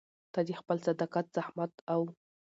ته د خپل صداقت، زحمت او